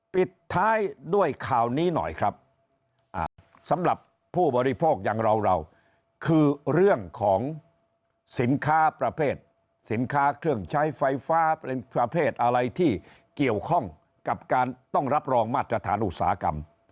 ปิดท้ายด้วยข่าวนี้หน่อยครับสำหรับผู้บริโภคอย่างเราเราคือเรื่องของสินค้าประเภทสินค้าเครื่องใช้ไฟฟ้าเป็นประเภทอะไรที่เกี่ยวข้องกับการต้องรับรองมาตรฐานอุตสาหกรรม